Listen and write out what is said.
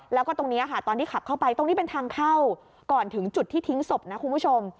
แล้วก็ตรงนี้ค่ะตอนที่ขับเข้าไปตรงนี้เป็นทางเข้าก่อนถึงจุดที่ทิ้งศพนะคุณผู้ชม